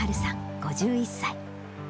５１歳。